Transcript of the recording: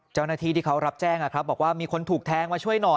เจ้าหน้าที่ที่เขารับแจ้งบอกว่ามีคนถูกแทงมาช่วยหน่อย